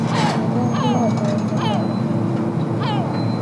މުދާ އުފުލާ ދޯންޏެއް ގަންނަން ބޭނުންވެއްޖެ